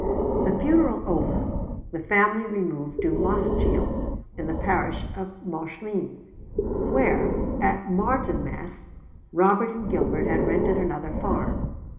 The funeral over, the family removed to Mossgiel, in the parish of Mauchline, where, at Martinmas, Robert and Gilbert had rented another farm.